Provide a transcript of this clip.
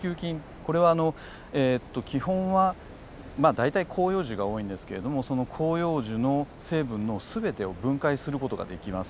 これはあの基本は大体広葉樹が多いんですけれどもその広葉樹の成分の全てを分解する事ができます。